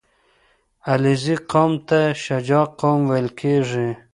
• علیزي قوم ته شجاع قوم ویل کېږي.